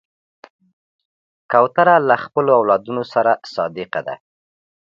کوتره له خپلو اولادونو سره صادقه ده.